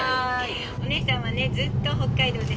お姉さんはねずっと北海道です。